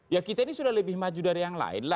ya kita ini sudah lebih maju dari yang lain